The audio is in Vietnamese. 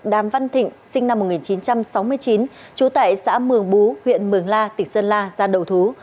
đàm văn thịnh sinh năm một nghìn chín trăm sáu mươi chín trú tại xã mường bú huyện mường la tỉnh sơn la ra đầu thú